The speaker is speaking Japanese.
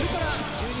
１２